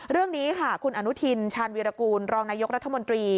เรื่องนี้ค่ะคุณอนุทินชาญวีรกูลรองนายกรัฐมนตรี